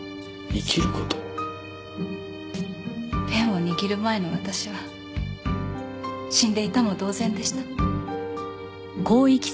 ペンを握る前の私は死んでいたも同然でした。